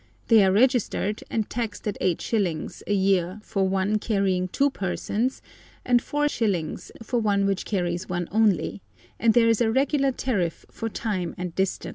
They are registered and taxed at 8s. a year for one carrying two persons, and 4s. for one which carries one only, and there is a regular tariff for time and distance.